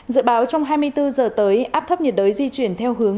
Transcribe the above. dự báo trong hai mươi bốn giờ tới áp thấp nhiệt đới di chuyển theo hướng